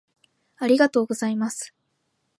「ありがとうございます」